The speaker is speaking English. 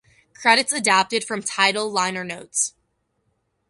Credits adapted from Tidal liner notes.